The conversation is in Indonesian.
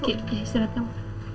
ya istirahat kamu